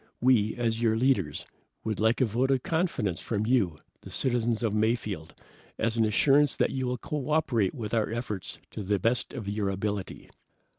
We, as your leaders, would like a vote of confidence from you, the citizens of Mayfield, as an assurance that you will co operate with our efforts to the best of your ability."